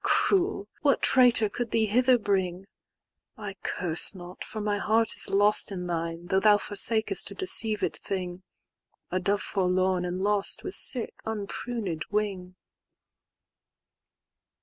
—"Cruel! what traitor could thee hither bring?"I curse not, for my heart is lost in thine,"Though thou forsakest a deceived thing;—"A dove forlorn and lost with sick unpruned wing."